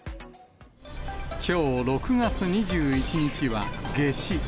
きょう６月２１日は夏至。